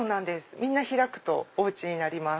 みんな開くとお家になります。